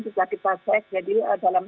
sudah kita cek jadi dalam